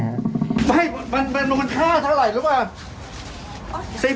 เฮ้ยมันค่าเท่าไหร่หรือเปล่า